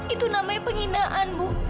itu namanya penghinaan bu